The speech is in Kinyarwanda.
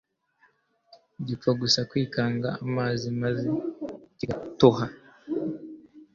gipfa gusa kwikanga amazi, maze kigatoha